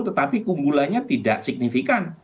tetapi kumulanya tidak signifikan